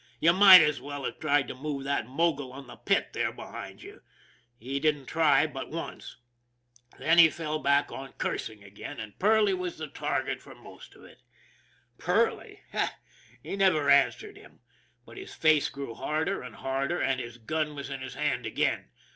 You might as well have tried to move that mogul on the pit there behind you. He didn't try but once, then he fell back on 246 ON THE IRON AT BIG CLOUD cursing again, and Parley was the target for most of it. Perley? He never answered him, but his face grew harder and harder and his gun was in his hand again.